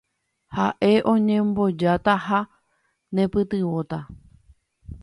Ha'e oñembojáta ha nepytyvõta.